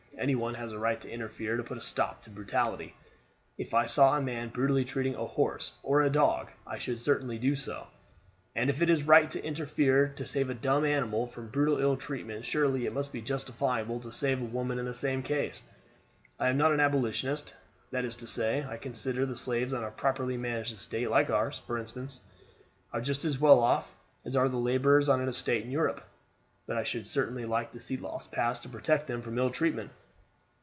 Any one has a right to interfere to put a stop to brutality. If I saw a man brutally treating a horse or a dog I should certainly do so; and if it is right to interfere to save a dumb animal from brutal ill treatment surely it must be justifiable to save a woman in the same case. I am not an Abolitionist. That is to say, I consider that slaves on a properly managed estate, like ours, for instance, are just as well off as are the laborers on an estate in Europe; but I should certainly like to see laws passed to protect them from ill treatment.